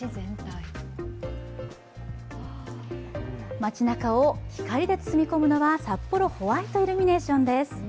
街なかを光で包み込むのはさっぽろホワイトイルミネーションです。